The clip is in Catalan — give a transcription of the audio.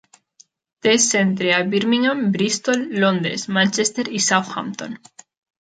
Té centre a Birmingham, Bristol, Londres, Manchester i Southampton.